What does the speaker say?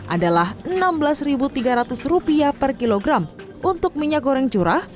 adalah rp enam belas tiga ratus per kilogram untuk minyak goreng curah